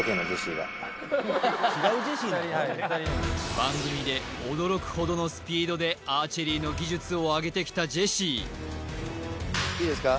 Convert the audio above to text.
番組で驚くほどのスピードでアーチェリーの技術を上げてきたジェシーいいですか？